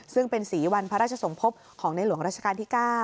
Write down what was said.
ซึ่งเป็นสีวันพระราชสมภพของในหลวงราชการที่๙